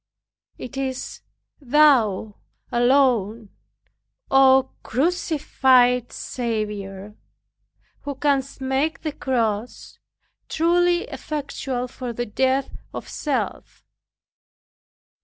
It is Thou alone, O Crucified Saviour, who canst make the cross truly effectual for the death of self.